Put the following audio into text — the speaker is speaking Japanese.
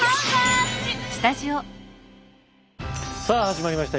さあ始まりました。